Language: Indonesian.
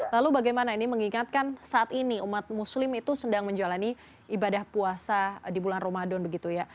lalu bagaimana ini mengingatkan saat ini umat muslim itu sedang menjalani ibadah puasa di bulan ramadan begitu ya